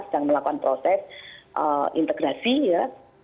sedang melakukan proses integrasi ya